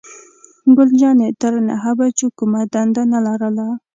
ګل جانې تر نهو بجو کومه دنده نه لرله.